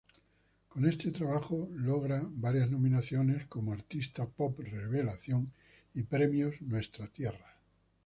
Con este trabajo logra varias nominaciones como: Artista Pop revelación y Premios Nuestra Tierra.